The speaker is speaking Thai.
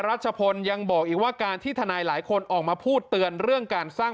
รัชพลยังบอกอีกว่าการที่ทนายหลายคนออกมาพูดเตือนเรื่องการสร้าง